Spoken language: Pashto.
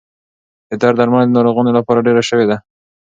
د درد درملنه د ناروغانو لپاره ډېره شوې ده.